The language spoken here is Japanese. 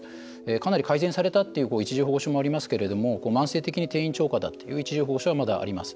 かなり改善されたという１次報告書もありますが慢性的に定員超過だという１次報告書もあります。